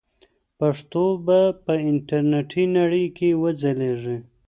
پښتو به په انټرنیټي نړۍ کې وځلیږي.